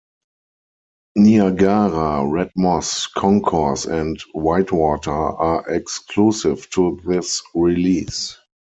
"Niagara", "Red Moss", "Concourse" and "Whitewater" are exclusive to this release.